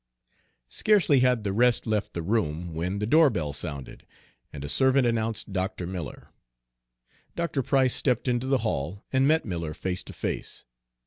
Scarcely had the rest left the room when the doorbell sounded, and a servant announced Dr. Miller. Dr. Price stepped into the hall and met Miller face to face.